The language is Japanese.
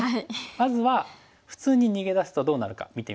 まずは普通に逃げ出すとどうなるか見てみましょう。